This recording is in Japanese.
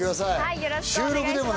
よろしくお願いします。